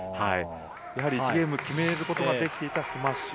１ゲーム決めることができていたスマッシュ。